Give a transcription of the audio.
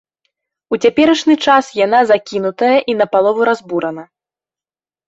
У цяперашні час яна закінутая і напалову разбурана.